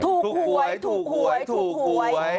ถูกหวยถูกหวยถูกหวย